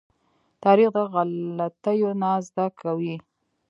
تاریخ د غلطيو نه زده کوي.